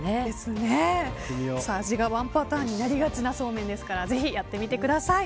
味がワンパターンになりがちなそうめんですからぜひ、やってみてください。